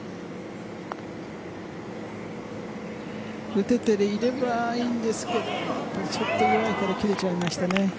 打てていればいいんですけどちょっと弱いから切れちゃいましたね。